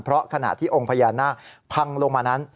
เพราะขณะที่องค์พญานาคพังลงมานั้น